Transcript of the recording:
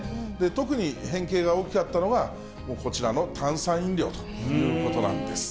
特に変形が大きかったのが、こちらの炭酸飲料ということなんです。